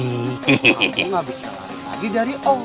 kamu gak bisa lagi dari om